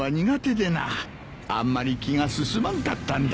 あんまり気が進まんかったんだ。